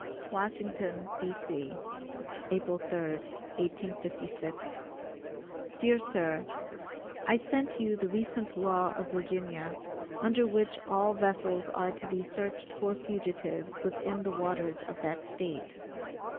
WASHINGTON, D.C., April 3, 1856. DEAR SIR: I sent you the recent law of Virginia, under which all vessels are to be searched for fugitives within the waters of that State.